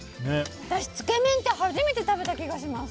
私、つけ麺って初めて食べた気がします。